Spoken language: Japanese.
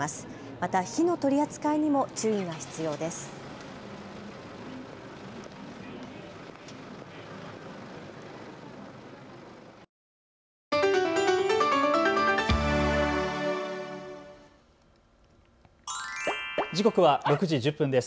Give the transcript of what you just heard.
また火の取り扱いにも注意が必要です。